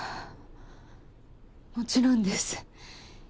もちろんです。